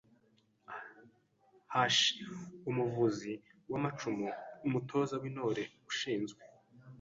h. Umuvuzi w’amacumu: Umutoza w’Intore ushinzwe